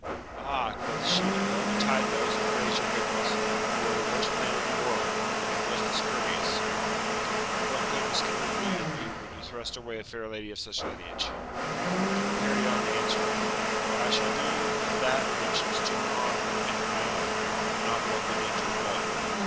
Ah, quoth she, ill betide those who praise your goodness ! you are the worst man in the world, and the most discourteous ! what goodness can there be in you when you thrust away a fair lady of such lineage ? King Perion answered, I shall do that which is to your honour and my own, not what would injure both.